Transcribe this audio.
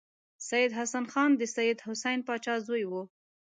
سید حسن خان د سید حسین پاچا زوی و.